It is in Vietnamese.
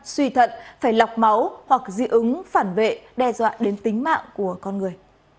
suy thận phải lọc máu hoặc dị ứng phản vệ đe dọa đến tính mạng của con người